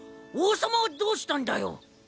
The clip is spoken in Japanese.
王様はどうしたんだよ！？